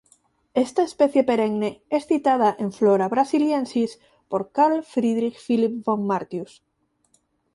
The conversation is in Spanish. Esta especie perenne es citada en Flora Brasiliensis por Carl Friedrich Philipp von Martius.